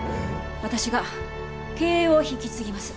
私が経営を引き継ぎます。